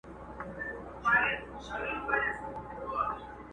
بد ښکارېږم چي وړوکی یم، سلطان یم!!